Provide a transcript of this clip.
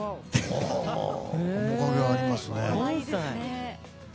面影ありますね。